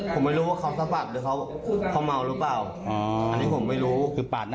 คือปากหน้าเรามา